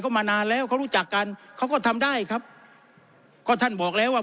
มานานแล้วเขารู้จักกันเขาก็ทำได้ครับก็ท่านบอกแล้วว่า